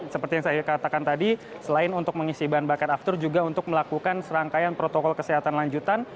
seperti yang saya katakan tadi selain untuk mengisi bahan bakar aftur juga untuk melakukan serangkaian protokol kesehatan lanjutan